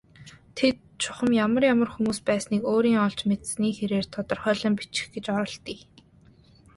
Тэд чухам ямар ямар хүмүүс байсныг өөрийн олж мэдсэний хэрээр тодорхойлон бичих гэж оролдъё.